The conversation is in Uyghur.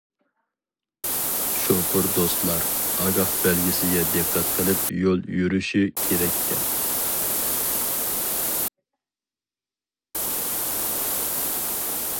شوپۇر دوستلار ئاگاھ بەلگىسىگە دىققەت قىلىپ يول يۈرۈشى كېرەككەن.